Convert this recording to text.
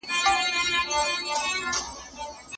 ده په خپل ديوان کې د پښتنو عیبونه وښودل.